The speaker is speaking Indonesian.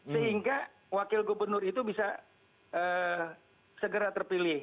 sehingga wakil gubernur itu bisa segera terpilih